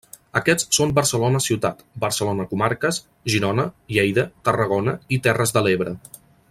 Aquests són Barcelona ciutat, Barcelona comarques, Girona, Lleida, Tarragona i Terres de l'Ebre.